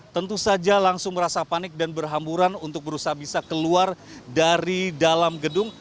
tentu saja langsung merasa panik dan berhamburan untuk berusaha bisa keluar dari dalam gedung